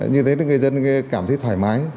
như thế thì người dân cảm thấy thoải mái